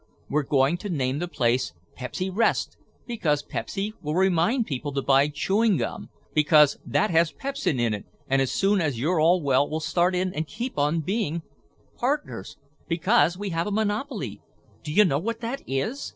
We're going to name the place Pepsy Rest, because Pepsy will remind people to buy chewing gum, because that has pepsin in it and as soon as you're all well we'll start in and keep on being partners, because we have a monopoly. Do you know what that is?